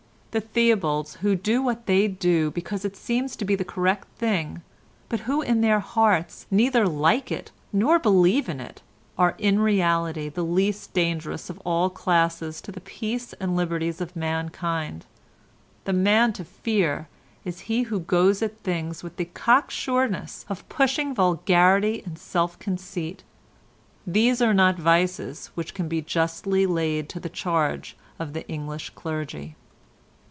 The Theobalds, who do what they do because it seems to be the correct thing, but who in their hearts neither like it nor believe in it, are in reality the least dangerous of all classes to the peace and liberties of mankind. The man to fear is he who goes at things with the cocksureness of pushing vulgarity and self conceit. These are not vices which can be justly laid to the charge of the English clergy.